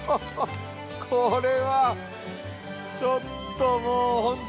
これはちょっともうホントに。